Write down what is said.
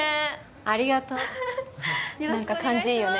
ありがとう何か感じいいよね